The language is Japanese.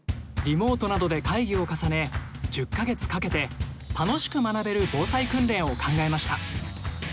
リモートなどで会議を重ね１０か月かけて楽しく学べる防災訓練を考えました。